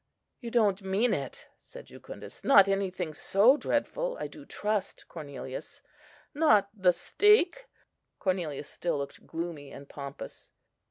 "You don't mean it?" said Jucundus. "Not anything so dreadful, I do trust, Cornelius. Not the stake?" Cornelius still looked gloomy and pompous.